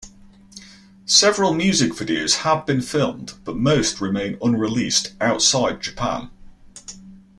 Several music videos have been filmed, but most remain unreleased outside Japan.